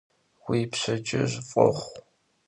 Vui pşedcıj f'oxhu!